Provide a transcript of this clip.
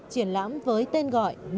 triển lãm với tên gọi là